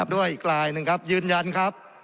ด้วยอีกลายหนึ่งครับยืนยันครับ